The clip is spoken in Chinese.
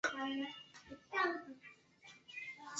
隋朝开皇三年废。